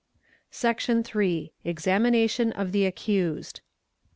Section iiiitmExamination of the accused.